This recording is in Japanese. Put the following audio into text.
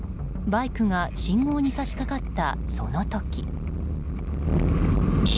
バイクが信号に差し掛かったその時。